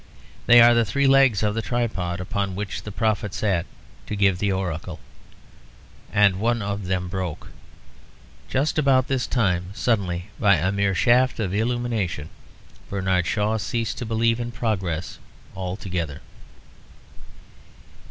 They are the three legs of the tripod upon which the prophet sat to give the oracle; and one of them broke. Just about this time suddenly, by a mere shaft of illumination, Bernard Shaw ceased to believe in progress altogether.